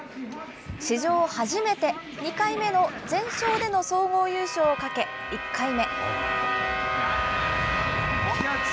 史上初めて、２回目の全勝での総合優勝をかけ、１回目。